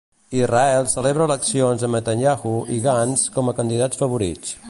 Israel celebra eleccions amb Netanyahu i Gantz com a candidats favorits.